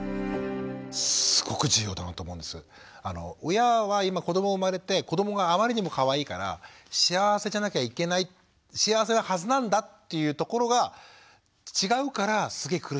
親は今子ども生まれて子どもがあまりにもかわいいから幸せじゃなきゃいけない幸せなはずなんだっていうところが違うからすげえ苦しいんですよ。